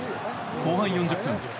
後半４０分。